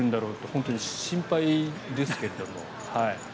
本当に心配ですけれども。